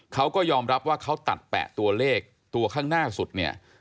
เขาก็ยอมรับว่าเขาตัดแปะตัวเลขตัวข้างหน้าสุดเนี่ย